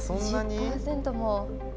２０％も。